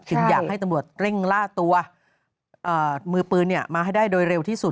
อยากให้ตำรวจเร่งล่าตัวมือปืนมาให้ได้โดยเร็วที่สุด